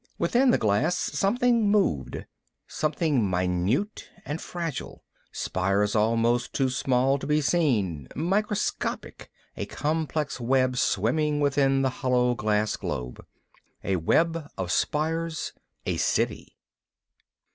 Within the glass something moved, something minute and fragile, spires almost too small to be seen, microscopic, a complex web swimming within the hollow glass globe. A web of spires. A City.